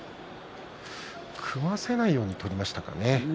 組ませないように取りましたかね。